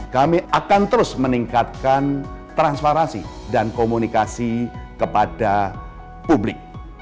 kami akan terus meningkatkan transparansi dan komunikasi kepada publik